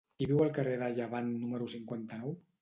Qui viu al carrer de Llevant número cinquanta-nou?